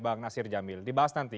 bang nasir jamil dibahas nanti